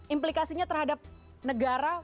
implikasinya terhadap negara